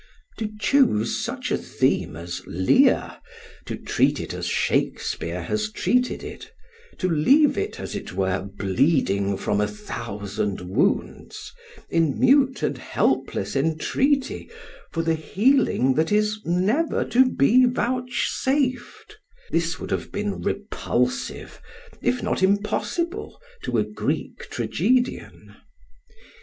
To choose such a theme as Lear, to treat it as Shakespeare has treated it, to leave it, as it were, bleeding from a thousand wounds, in mute and helpless entreaty for the healing that is never to be vouchsafed this would have been repulsive, if not impossible, to a Greek tragedian.